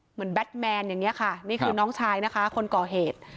แบทแมนอย่างนี้ค่ะนี่คือน้องชายนะคะคนก่อเหตุ